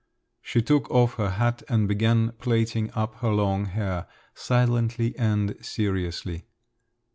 She took off her hat and began plaiting up her long hair, silently and seriously.